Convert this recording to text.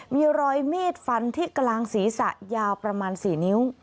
มีรอยมีดฟันที่กลางศีรษะยาวประมาณ๔นิ้ว